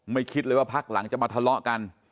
คิดเลยว่าพักหลังจะมาทะเลาะกัน